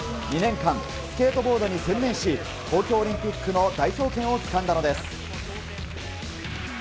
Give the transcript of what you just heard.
２年間、スケートボードに専念し、東京オリンピックの代表権をつかんだのです。